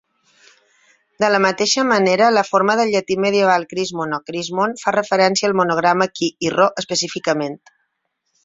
De la mateixa manera, la forma del llatí medieval "crismon" o "chrismon" fa referència al monograma 'khi' i 'ro' específicament.